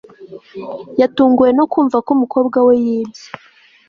Yatunguwe no kumva ko umukobwa we yibye